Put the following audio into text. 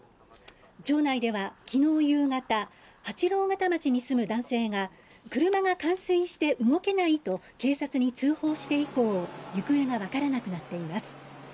町内では昨日夕方八郎潟町に住む男性が車が冠水して動けないと警察に通報して以降、行方が分からなくなっています。